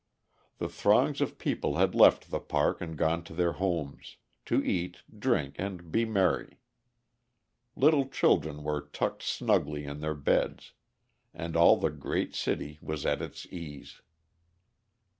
The throngs of people had left the park and gone to their homes, to eat, drink, and be merry. Little children were tucked snugly in their beds, and all the great city was at its ease.